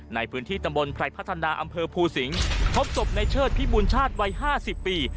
ในพื้นที่ตำบลไพรพัฒนาอำเภอภูสิงศ์พบศพในเชิดพิบูรชาติวัย๕๐ปี